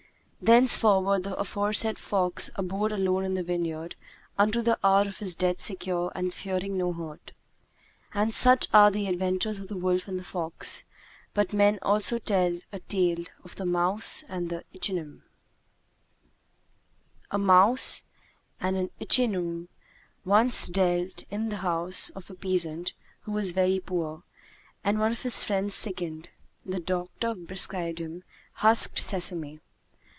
Thenceforward the aforesaid fox abode alone in the vineyard unto the hour of his death secure and fearing no hurt. And such are the adventures of the wolf and the fox. But men also tell a TALE OF THE MOUSE AND THE ICHNEUMON[FN#165] A mouse and an ichneumon once dwelt in the house of a peasant who was very poor; and when one of his friends sickened, the doctor prescribed him husked sesame.